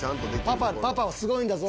パパはすごいんだぞ！